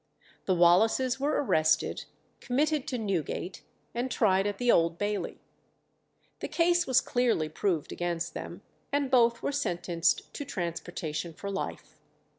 The Wallaces were arrested, committed to Newgate, and tried at the Old Bailey. The case was clearly proved against them, and both were sentenced to transportation for life.